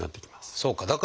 そうか。